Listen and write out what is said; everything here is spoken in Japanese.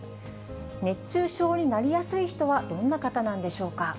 熱中症になりやすい人はどんな方なんでしょうか。